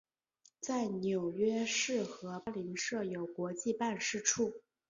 在纽约市和巴林设有国际办事处。